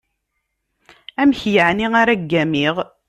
Amek yeɛni ara ggamiɣ?